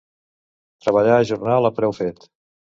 Treballar a jornal, a preu fet.